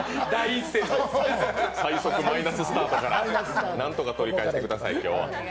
最速マイナススタートからなんとか取り戻してください。